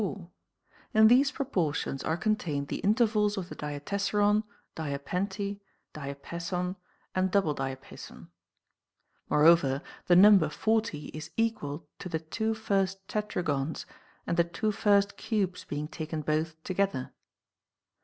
In these proportions are contained the intervals of the diatessaron, diapente, diapa son, and double diapason. Moreover, the number 40 is equal to the two first tetragons and the two first cubes being taken both together.